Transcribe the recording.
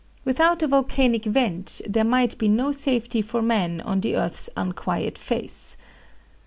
Without the volcanic vent there might be no safety for man on the earth's unquiet face.